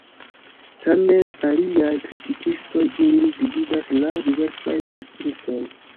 Tamen aliaj kritikistoj ilin dividas laŭ diversaj vidpunktoj.